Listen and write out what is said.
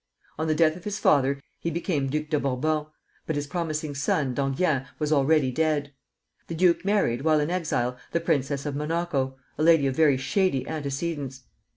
On the death of his father he became Duke of Bourbon, but his promising son, D'Enghien, was already dead. The duke married while in exile the princess of Monaco, a lady of very shady antecedents.